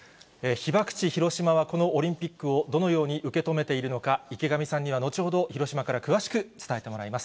被爆地、広島はこのオリンピックをどのように受け止めているのか、池上さんには後ほど、広島から詳しく伝えてもらいます。